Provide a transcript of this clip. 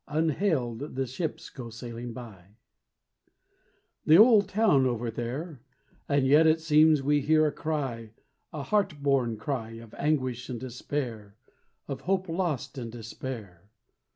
Unhailed the ships go sailing by The old town over there; And yet it seems we hear a cry A heart born cry Of anguish and despair, Of hope lost in despair.